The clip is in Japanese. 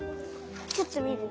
ちょっとみるね。